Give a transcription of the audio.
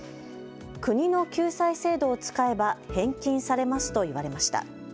国の救済制度を使えば返金されますと言われました。